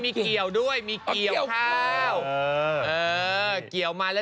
นี่มีเกี่ยวด้วยมีเกี่ยวข้าว